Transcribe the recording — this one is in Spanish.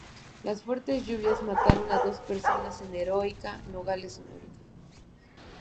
Las fuertes lluvias mataron a dos personas en Heroica Nogales, Sonora.